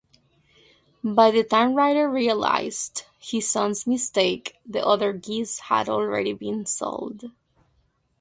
By the time Ryder realized his mistake, the other geese had already been sold.